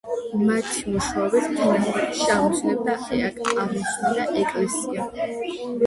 მათი მეშვეობით თესალონიკეში აღმოცენდა ეკლესია.